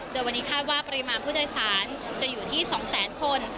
โดยวันนี้คาดว่าปริมาณผู้โดยสารจะอยู่ที่๒แสนคน